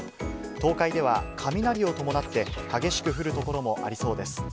東海では雷を伴って激しく降る所もありそうです。